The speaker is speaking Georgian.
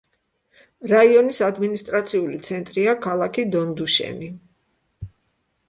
რაიონის ადმინისტრაციული ცენტრია ქალაქი დონდუშენი.